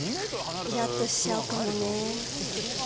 いらっとしちゃうかもね。